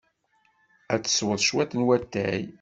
Ad tesweḍ cwiṭ n watay?